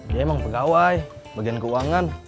dia emang pegawai bagian keuangan